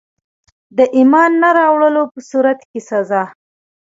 د ایمان نه راوړلو په صورت کي سزا.